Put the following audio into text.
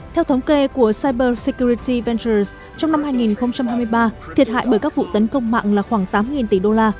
theo thống kê của cybersecurity ventures trong năm hai nghìn hai mươi ba thiệt hại bởi các vụ tấn công mạng là khoảng tám tỷ đô la